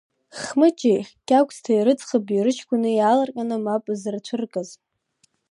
Хмыҷи Кьаӷәсеи рыӡӷаби рыҷкәыни иаалырҟьаны мап зырцәыркыз.